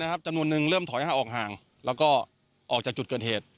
ใช่ครับก็จำนวนนึงเริ่มถอยให้ออกห่างแล้วก็ออกจากจุดเกิดเหตุ